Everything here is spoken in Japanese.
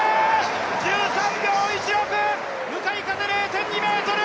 １３秒１６、向かい風０．２メートル。